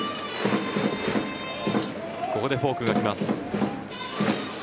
ここでフォークが来ます。